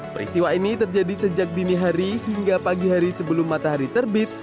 peristiwa ini terjadi sejak dini hari hingga pagi hari sebelum matahari terbit